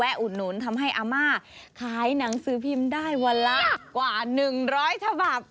แล้วก็แวะอุดนูนทำให้อามาที่ขายหนังสือพิมพ์ได้วันละกว่า๑๐๐ภาพ